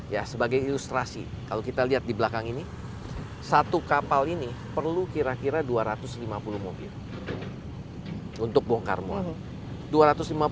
ya sebagai ilustrasi kalau kita lihat di belakang ini satu kapal ini perlu kira kira dua ratus lima puluh mobil untuk bongkar muat